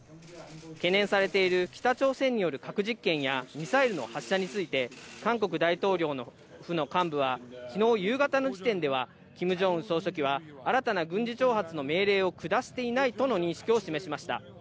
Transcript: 懸念されている北朝鮮による核実験やミサイルの発射について、韓国の大統領府の幹部は、昨日夕方の時点では、キム・ジョンウン総書記は新たな軍事挑発の命令を下していないとの認識を示しました。